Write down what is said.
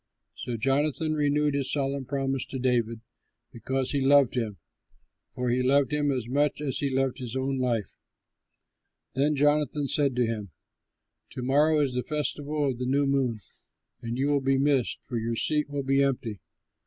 So Jonathan renewed his solemn promise to David, because he loved him; for he loved him as much as he loved his own life. Then Jonathan said to him, "To morrow is the festival of the New Moon and you will be missed, for your seat will be empty.